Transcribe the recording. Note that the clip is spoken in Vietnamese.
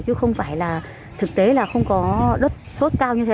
chứ không phải là thực tế là không có đất sốt cao